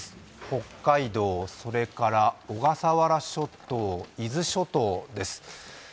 北海道、小笠原諸島、伊豆諸島です。